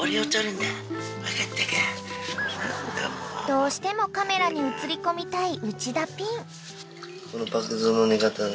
［どうしてもカメラに映り込みたい］